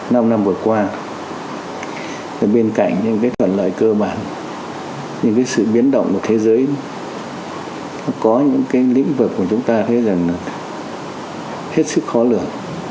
năm năm vừa qua bên cạnh những cái thuận lợi cơ bản những cái sự biến động của thế giới có những cái lĩnh vực của chúng ta thấy rằng là hết sức khó lường